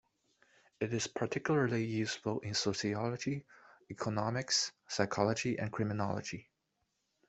It is particularly useful in sociology, economics, psychology, and criminology.